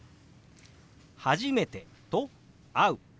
「初めて」と「会う」。